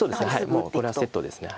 もうこれはセットです。